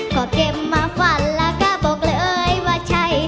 ก็เก็บมาฝันแล้วก็บอกเลยว่าใช่